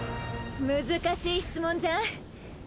難しい質問じゃん。